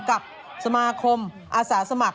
กับสมาคมอาสาสมัคร